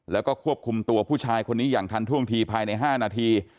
แล้วก็ควบคุมตัวผู้ชายคนนี้อย่างทันท่วงทีภายใน๕นาที